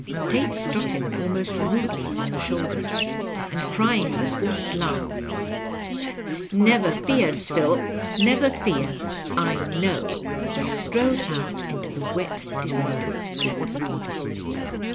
Tate stmck him almost rudely on the shoul der, and crying with a forced laugh, " Never fear, Silk, never fear I I know," be strode out into tbe wet, deserted street.